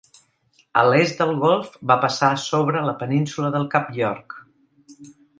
A l'est del golf va passar sobre la península del Cap York.